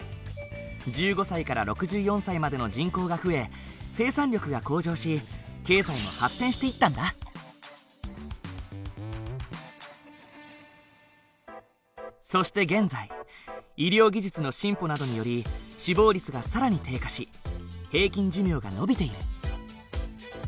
１５歳から６４歳までの人口が増え生産力が向上しそして現在医療技術の進歩などにより死亡率が更に低下し平均寿命が延びている。